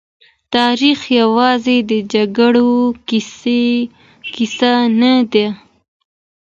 تاريخ يوازې د جګړو کيسه نه ده.